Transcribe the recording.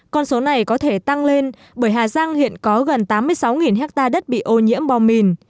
con số này có thể tăng lên bởi hà giang hiện có gần tám mươi sáu hectare đất bị ô nhiễm bom mìn